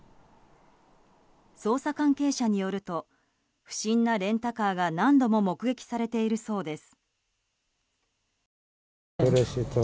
捜査関係者によると不審なレンタカーが何度も目撃されているそうです。